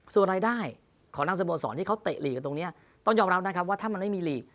ส่วนรายได้ของทางสโมสรที่เขาเตะหลีกกันตรงนี้ต้องยอมรับนะครับว่าถ้ามันไม่มีหลีก